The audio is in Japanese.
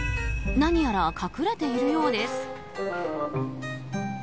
何やら隠れているようです。